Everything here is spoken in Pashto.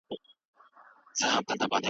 په اوبو کې غوټه وهل د دماغ فعالیت زیاتوي.